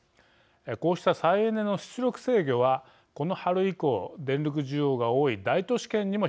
こうした再エネの出力制御はこの春以降電力需要が多い大都市圏にも広がりました。